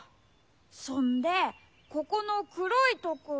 そんでここのくろいとこを。